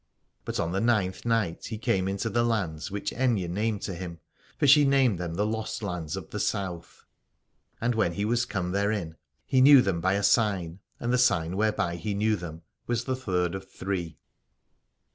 But on the ninth night he came into the lands which Aithne named to him, for she named them the Lost Lands of the South ; and when he was come therein he knew them by a sign, and the sign whereby he knew them was the third of three.